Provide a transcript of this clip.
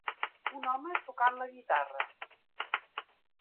Un home tocant la guitarra.